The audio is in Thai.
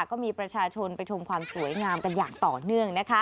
ก็มีประชาชนไปชมความสวยงามกันอย่างต่อเนื่อง